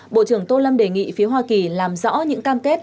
bộ trưởng tô lâm đề nghị phía hoa kỳ làm rõ những cam kết